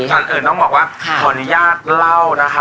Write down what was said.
ก่อนอื่นต้องบอกว่าขออนุญาตเล่านะคะ